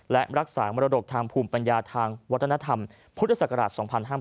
และรักษามรดกทางภูมิปัญญาทางวัฒนธรรมพุทธศักราช๒๕๕๙